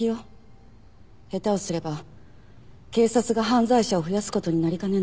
下手をすれば警察が犯罪者を増やす事になりかねない。